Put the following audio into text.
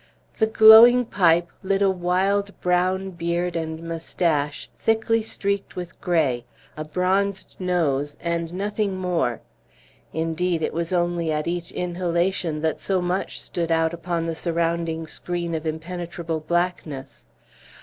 The glowing pipe lit a wild brown beard and mustache, thickly streaked with gray, a bronzed nose, and nothing more. Indeed, it was only at each inhalation that so much stood out upon the surrounding screen of impenetrable blackness.